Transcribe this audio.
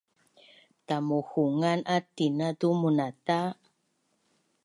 Tamuhungan at tina tu munata?